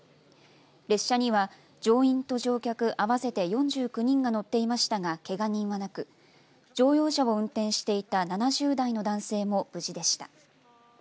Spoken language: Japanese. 列車には乗員と乗客合わせて４９人が乗っていましたがけが人はなく乗用車を運転していた７０代の男性も無事でした。